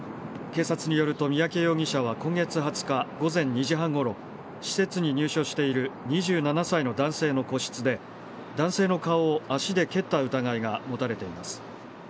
警察によると、三宅容疑者は今月２０日午前２時半ごろ、施設に入所している２７歳の男性の個室で、男性の顔を足で蹴った疑いが持たれています。